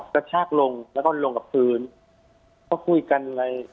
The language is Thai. กระชากลงแล้วก็ลงกับพื้นก็คุยกันอะไร